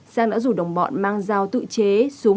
sang đã rủ đồng bọn mang dao tự chế xuống